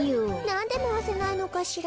なんでまわせないのかしら。